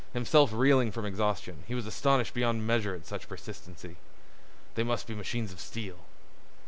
Himself reeling from exhaustion, he was astonished beyond measure at such persistency. They must be machines of steel.